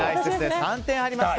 ３点入りました。